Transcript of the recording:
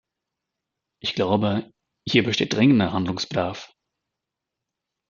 Ich glaube, hier besteht dringender Handlungsbedarf.